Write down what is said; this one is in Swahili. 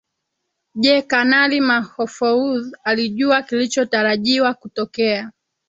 Je Kanali Mahfoudh alijua kilichotarajiwa kutokea